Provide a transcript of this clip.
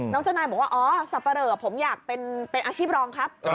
น้องจนายบอกว่าอ๋อสัปดาห์ผมอยากเป็นอาชีพรองค์ครับ